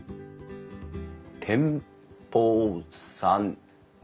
「天保三」ん？